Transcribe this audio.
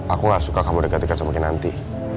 aku gak suka kamu deket deket sama kinanti